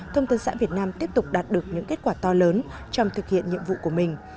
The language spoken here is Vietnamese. thông tấn xã việt nam tiếp tục đạt được những kết quả to lớn trong thực hiện nhiệm vụ của mình